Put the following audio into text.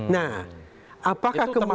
nah apakah kemampuan